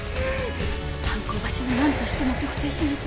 犯行場所をなんとしても特定しないと。